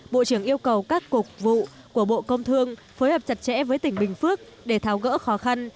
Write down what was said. bộ trưởng yêu cầu các cục vụ của bộ công thương phối hợp chặt chẽ với tỉnh bình phước để tháo gỡ khó khăn